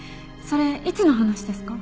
それいつの話ですか？